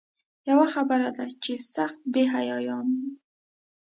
یوه خبره ده چې سخت بې حیایان دي.